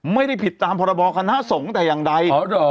ไม่ได้ผิดตามพรบคณะสงฆ์แต่อย่างใด